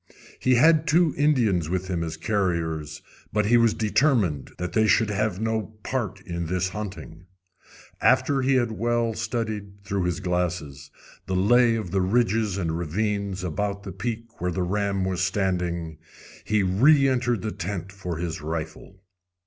He had two Indians with him as carriers, but he was determined that they should have no part in this hunting. After he had well studied, through his glasses, the lay of the ridges and ravines about the peak where the ram was standing, he reëntered the tent for his rifle.